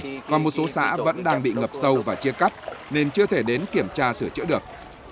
nhưng một số xã vẫn đang bị ngập sâu và chia cắt nên chưa thể đến kiểm tra sửa chữa được